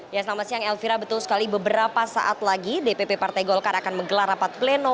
ya selamat siang elvira betul sekali beberapa saat lagi dpp partai golkar akan menggelar rapat pleno